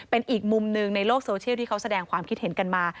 เป็นอีกมุมหนึ่งในโลกโซเชียลที่เขาแสดงความคิดเห็นกันมา